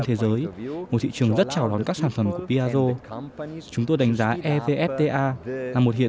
thế giới một thị trường rất chào đón các sản phẩm của piaggio chúng tôi đánh giá evfta là một hiệp